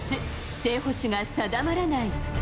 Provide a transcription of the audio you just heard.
正捕手が定まらない。